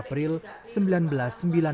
awalnya sebelum yayasan ini resmi berdiri